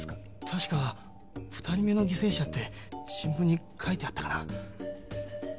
確か２人目の犠牲者って新聞に書いてあったかな。